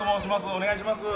お願いします。